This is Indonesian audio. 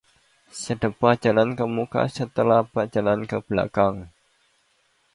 Sedepa jalan kemuka, setelempap jalan kebelakang